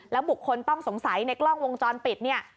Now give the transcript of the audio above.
แล้วบุคคลต้องสงสัยในกล้องวงจรปิด